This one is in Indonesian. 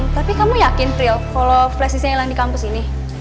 tapi kamu yakin prih kalau flash di sini hilang di kampus ini